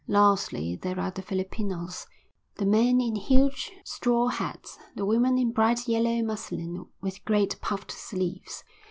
Lastly there are the Filipinos, the men in huge straw hats, the women in bright yellow muslin with great puffed sleeves.